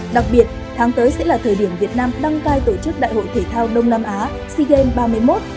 đặc biệt tháng tới sẽ là thời điểm việt nam đăng cai tổ chức đại hội thể thao đông nam á sea games ba mươi một